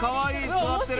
座ってる。